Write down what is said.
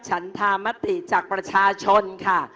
ฉันธามติจากประชาชนค่ะ